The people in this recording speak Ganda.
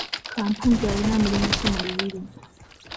Kampujje alina mulimu ki mu lubiri?